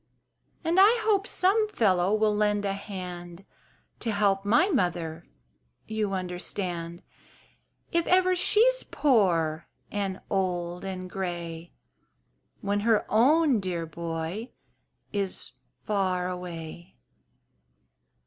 "And I hope some fellow will lend a hand To help my mother, you understand, "If ever she's poor and old and gray, When her own dear boy is far away."